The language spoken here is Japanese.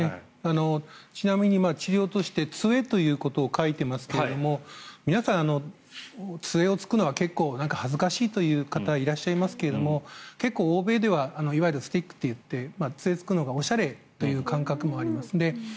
ちなみに治療として杖ということを書いてますが皆さん、杖をつくのは結構恥ずかしいという方がいらっしゃいますけど欧米ではいわゆるスティックといって杖をつくのがおしゃれという感覚もあります。